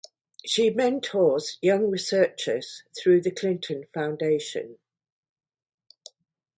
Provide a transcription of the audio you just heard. She mentors young researchers through the Clinton Foundation.